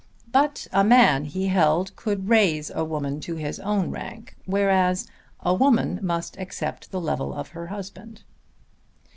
But a man, he held, could raise a woman to his own rank, whereas a woman must accept the level of her husband.